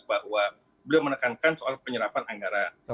bahwa beliau menekankan soal penyerapan anggaran